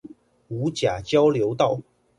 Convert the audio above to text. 五甲交流道